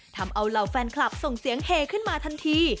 ทำเอาเหล่าแฟนคลับส่งเสียงเฮขึ้นมาทันที